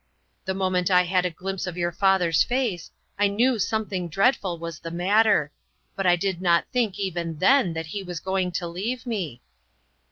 The moment I had a glimpse of your WHY ? 27 father's face, I knew something dreadful was the matter ; but I did not think, even then, that he was going to leave me."